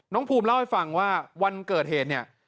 ภูมิเล่าให้ฟังว่าวันเกิดเหตุเนี่ย